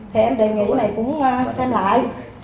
thì em đề nghị này cũng xem lại